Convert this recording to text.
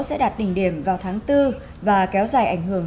sẽ đạt đỉnh điểm vào tháng bốn và kéo dài ảnh hưởng